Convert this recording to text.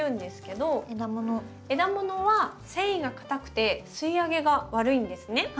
枝ものは繊維がかたくて吸いあげが悪いんですね。